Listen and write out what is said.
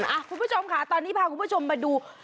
คุณผู้ชมค่ะตอนนี้พาคุณผู้ชมมาดู